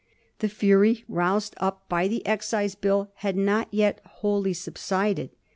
The fury roused up by the Excise Bill had not yet wiiolly subsided.